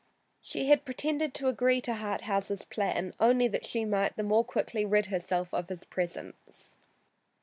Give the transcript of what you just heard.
She had pretended to agree to Harthouse's plan only that she might the more quickly rid herself of his presence.